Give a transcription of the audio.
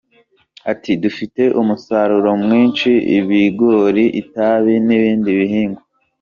Ati” Dufite umusaruro mwinshi, ibigori, itabi n’ibindi bihingwa.